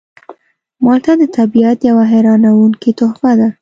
مالټه د طبیعت یوه حیرانوونکې تحفه ده.